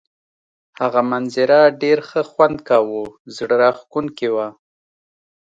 هغه منظره ډېر ښه خوند کاوه، زړه راښکونکې وه.